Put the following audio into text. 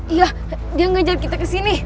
iya dia ngejar kita ke sini